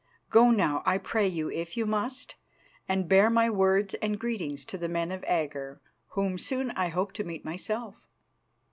Go now, I pray you, if you must, and bear my words and greetings to the men of Agger, whom soon I hope to meet myself."